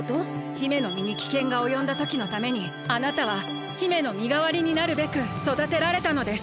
姫のみにきけんがおよんだときのためにあなたは姫のみがわりになるべくそだてられたのです。